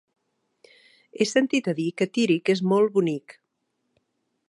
He sentit a dir que Tírig és molt bonic.